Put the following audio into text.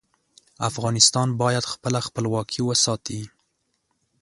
افغانستان باید خپله خپلواکي وساتي.